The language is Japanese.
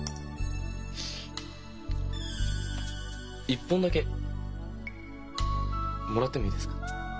一本だけもらってもいいですか？